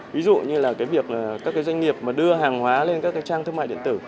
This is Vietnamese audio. ví dụ như các doanh nghiệp đưa hàng hóa lên các trang thương mại